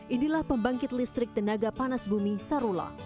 inilah pembangkit listrik tenaga panas bumi sarula